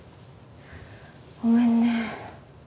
ごめんね。